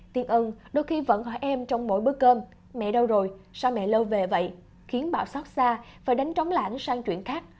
tiền ân đôi khi vẫn hỏi em trong mỗi bữa cơm mẹ đâu rồi sao mẹ lâu về vậy khiến bảo xót xa phải đánh trống lãnh sang chuyện khác